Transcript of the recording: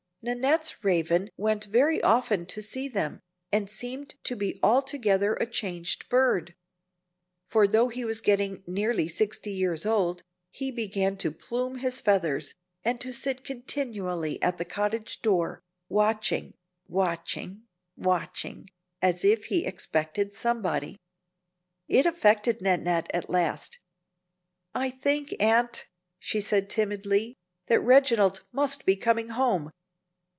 Nannette's Raven went very often to see them, and seemed to be altogether a changed bird. For though he was getting near sixty years old, he began to plume his feathers, and to sit continually at the cottage door, watching, watching, watching, as if he expected somebody. It affected Nannette at last. "I think, aunt," she said, timidly, "that Reginald must be coming home.